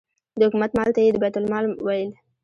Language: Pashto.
د حکومت مال ته یې د بیت المال مال ویل.